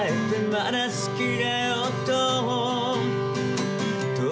「まだ好きだよと」